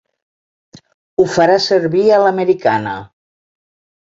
Ho farà servir a l'americana.